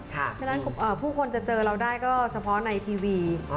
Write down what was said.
เพราะฉะนั้นผู้คนจะเจอเราได้ก็เฉพาะในทีวี